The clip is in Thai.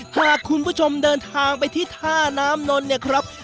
หากคุณผู้ชมเดินทางไปที่ท่าน้ำนนท์เนี่ยครับ